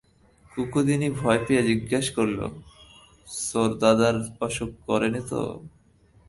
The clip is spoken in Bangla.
কুকুদিনী ভয় পেয়ে জিজ্ঞাসা করলে, ছোড়দাদার অসুখ করে নি তো?